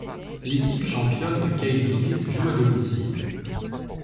L'équipe championne de K-League joue à domicile.